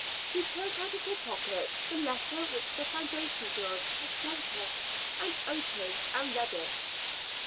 She took out of her pocket the letter which the foundation girls had sent her, and opened and read it.